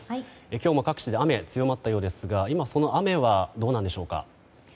今日も各地で雨が強まったようですが今、その雨はどうなんでしょうか。